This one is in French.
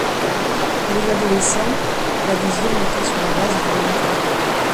Pour les adolescents, l'adhésion était sur la base du volontariat.